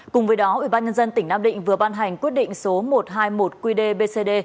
cùng với đó ubnd tỉnh nam định vừa ban hành quyết định số một trăm hai mươi một qdbcd